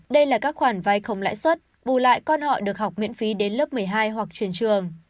đây là các khoản vai không lãi suất bù lại con họ được học miễn phí đến lớp một mươi hai hoặc truyền trường